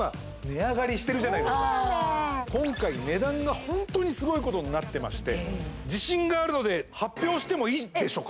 そうやねん今回値段がホントにすごいことになってまして自信があるので発表してもいいでしょうか？